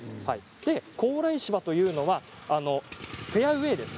高麗芝というのはフェアウェイ。